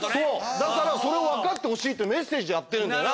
だからそれを分かってほしいっていうメッセージをやってるんだよな？